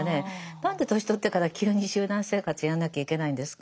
何で年取ってから急に集団生活やんなきゃいけないんですか。